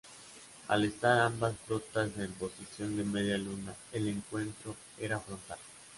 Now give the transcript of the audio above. Al estar ambas flotas en posición de media luna el encuentro era frontal.